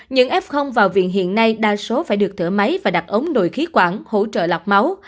những f vào viện hiện nay đa số phải được thở máy và đặt ống nội khí quản hỗ trợ lọc máu